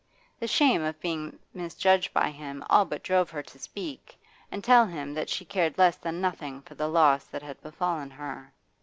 The shame of being misjudged by him all but drove her to speak, and tell him that she cared less than nothing for the loss that had befallen her.